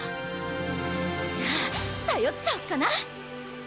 じゃあたよっちゃおっかな！